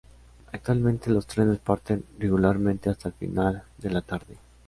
Actualmente los trenes parten regularmente hasta final de la tarde.